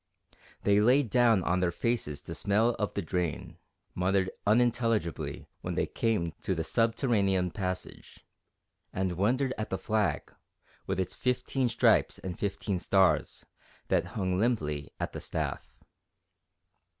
They lay down on their faces to smell of the drain, muttered unintelligibly when they came to the subterranean passage, and wondered at the flag, with its fifteen stripes and fifteen stars, that hung limply at the staff.